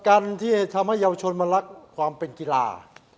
การที่จะทำให้เยาวชนมารักความเป็นกีฬา